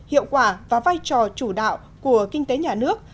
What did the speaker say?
hiệu quả và vai trò chủ đạo của kinh tế nhà nước